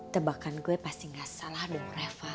tebakan gue pasti gak salah dong reva